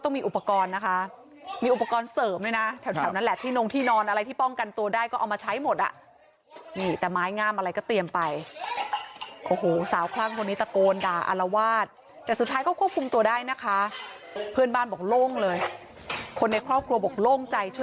อันนี้จะมีอาการป่วยทางจิตทางประสาทไปรักษาแต่ไม่ยอมกินยาสุดท้ายค่ะ